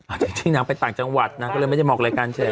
อาจจะที่นางไปต่างจังหวัดนางก็เลยไม่ได้มองรายการใช่ไหม